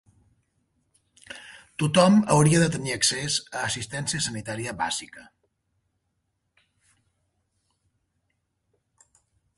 Tothom hauria de tenir accés a assistència sanitària bàsica.